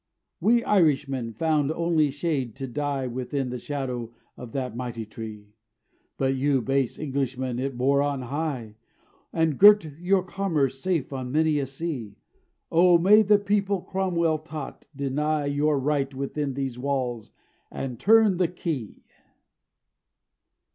We Irishmen found only shade to die Within the shadow of that mighty tree; But you base Englishmen it bore on high, And girt your commerce safe on many a sea: O! may the people Cromwell taught, deny Your right within these walls, and turn the key!